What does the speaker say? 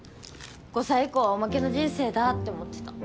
５歳以降はオマケの人生だって思ってた。